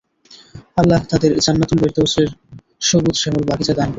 আল্লাহ তাঁদের জান্নাতুল ফেরদাউসের সবুজ শ্যামল বাগিচা দান করুন।